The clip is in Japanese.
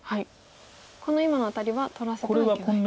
この今のアタリは取らせてはいけないと。